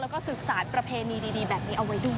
แล้วก็สืบสารประเพณีดีแบบนี้เอาไว้ด้วย